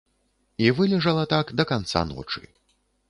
І вылежала так да канца ночы.